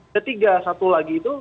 ketiga satu lagi itu